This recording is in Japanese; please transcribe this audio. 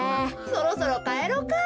そろそろかえろうか。